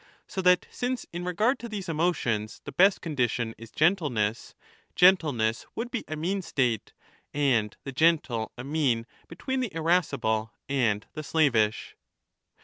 So that since in regard to these emotions the best condition is gentleness, 25 gentleness would be a mean state, and the gentle a mean between the irascible and the slavish.